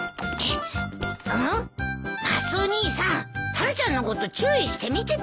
タラちゃんのこと注意して見ててよね。